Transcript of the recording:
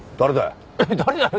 誰だよ。